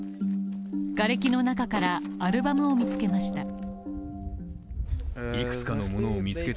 がれきの中からアルバムを見つけました。